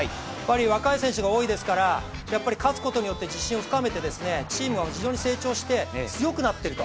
若い選手が多いですから勝つことによって自信を深めてチームは非常に成長して、強くなっていると。